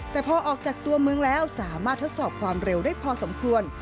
แต่พอออกจากตัวเมืองแล้วสามารถทดสอบความเร็วได้พอสมควร